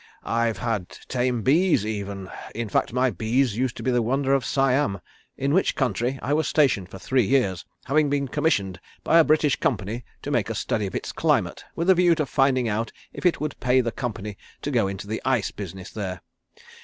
I've had tame bees even in fact my bees used to be the wonder of Siam, in which country I was stationed for three years, having been commissioned by a British company to make a study of its climate with a view to finding out if it would pay the company to go into the ice business there.